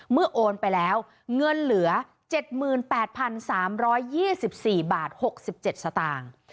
โอนไปแล้วเงินเหลือ๗๘๓๒๔บาท๖๗สตางค์